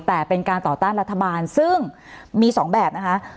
แต่เป็นการต่อต้านรัฐบาลซึ่งมี๒แบบนะคะ